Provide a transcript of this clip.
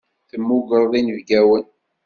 Temmugreḍ inebgawen.